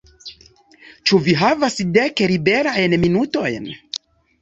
Ĉu vi havas dek liberajn minutojn?